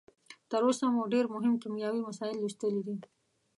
تر اوسه مو ډیر مهم کیمیاوي مسایل لوستلي دي.